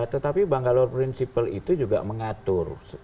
tetapi banggalor principle itu juga mengatur